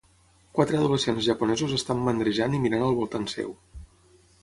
Quatre adolescents japonesos estan mandrejant i mirant al voltant seu.